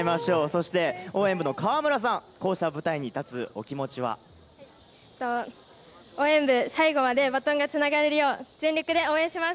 そして、応援部の川村さん、応援部、最後までバトンがつながれるよう、全力で応援します。